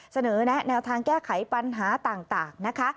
เสนอแนะแนวทางแก้ไขปัญหาต่างนะคะ